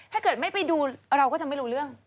ถ้าเกิดไม่ไปดูเราก็จะไม่รู้เรื่อง